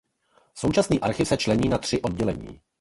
Současný archiv se člení na tři oddělení.